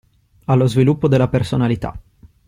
Allo sviluppo della personalità.